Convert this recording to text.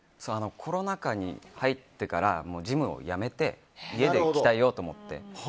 コロナ禍に入ってからジムをやめて家で鍛えようと思って。